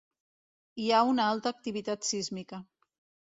Hi ha una alta activitat sísmica.